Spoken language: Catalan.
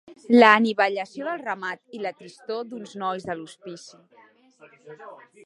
La anivellació del ramat i la tristor d'uns nois del hospici